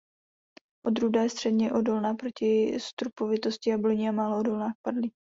Odrůda je středně odolná proti strupovitosti jabloní a málo odolná k padlí.